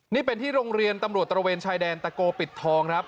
นี่เป็นที่โรงเรียนตำรวจตระเวนชายแดนตะโกปิดทองครับ